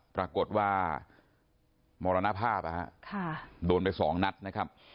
ปรากฏว่ามรณภาพโดนไป๒นัดนะครับ